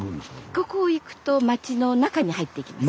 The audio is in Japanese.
ここ行くと町の中に入っていきます。